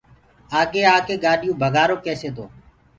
آگي آڪي گآڏيو ڀگآرو ڪيسي تو